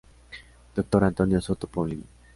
Dr. Antonio Soto Paulino.